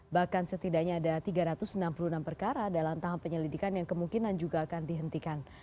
bahkan setidaknya ada tiga ratus enam puluh enam perkara dalam tahap penyelidikan yang kemungkinan juga akan dihentikan